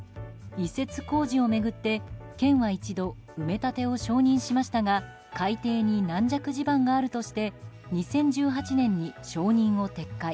移設工事を巡って県は一度埋め立てを承認しましたが海底に軟弱地盤があるとして２０１８年に承認を撤回。